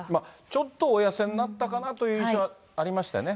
ちょっとお痩せになったかな？という印象はありましたよね。